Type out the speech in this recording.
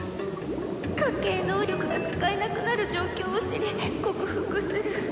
「家系能力が使えなくなる状況を知り克服する」。